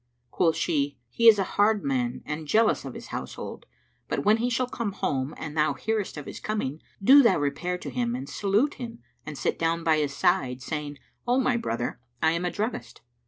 Quoth she, "He is a hard man and jealous of his household: but, when he shall come home and thou hearest of his coming, do thou repair to him and salute him and sit down by his side, saying, 'O my brother, I am a druggist.'